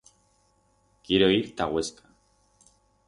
Quiero ir ta Uesca.